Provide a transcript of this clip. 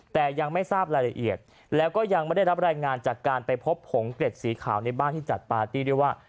แต่ยังไม่ทราบรายละเอียดแล้วก็ยังไม่ได้รับรายงานจากการไปพบผงเกร็ดสีขาวในบ้านที่จัดปาร์ตี้ด้วยว่า